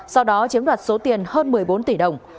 sau đó chiếm đoạt số tiền hơn một mươi bốn tỷ đồng